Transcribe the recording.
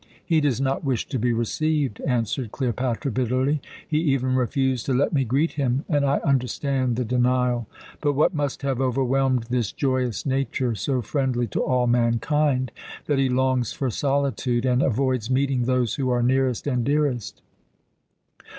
"He does not wish to be received," answered Cleopatra bitterly. "He even refused to let me greet him, and I understand the denial. But what must have overwhelmed this joyous nature, so friendly to all mankind, that he longs for solitude and avoids meeting those who are nearest and dearest?